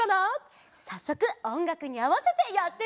さっそくおんがくにあわせてやってみよう！